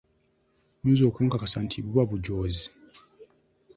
Oyinza okunkakasa nti buba bujoozi!